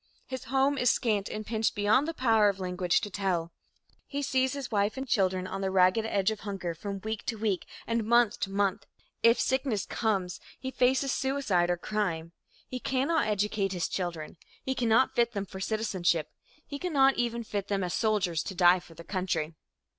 His home is scant and pinched beyond the power of language to tell. He sees his wife and children on the ragged edge of hunger from week to week and month to month. If sickness comes, he faces suicide or crime. He cannot educate his children; he cannot fit them for citizenship; he cannot even fit them as soldiers to die for their country.